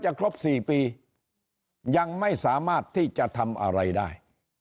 ครบ๔ปียังไม่สามารถที่จะทำอะไรได้